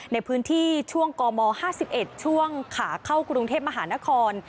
ในช่วงกม๕๑ช่วงขาเข้ากรุงเทพมหานคร